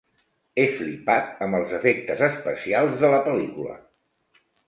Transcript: He flipat amb els efectes especials de la pel·lícula.